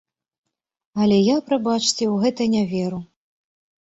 Але я, прабачце, у гэта не веру.